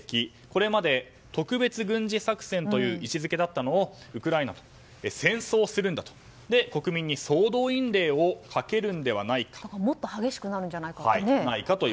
これまで特別軍事作戦という位置づけだったのをウクライナと戦争するんだと国民に総動員令をかけるのではないかと。